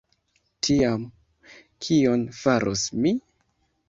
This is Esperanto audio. Tiam, kion faros mi?